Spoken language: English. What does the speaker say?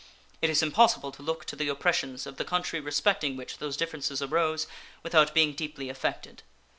It is impossible to look to the oppressions of the country respecting which those differences arose without being deeply affected.